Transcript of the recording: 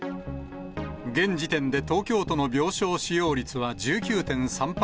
現時点で東京都の病床使用率は１９．３％。